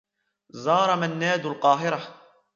زار منّاد القاهرة.